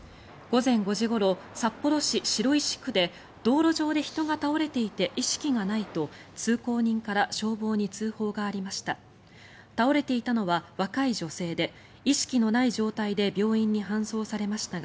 午前５時ごろ札幌市白石区で道路上で人が倒れていて意識がないと通行人から消防に通報がありました。